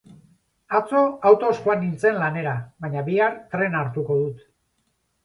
Atzo autoz joan nintzen lanera, baina bihar trena hartuko dut.